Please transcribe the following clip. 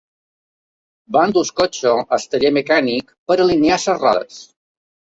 Van dur el cotxe al taller mecànic per alinear les rodes.